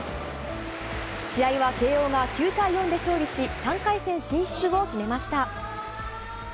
試合は慶応が９対４で勝利し、３回戦進出を決めました。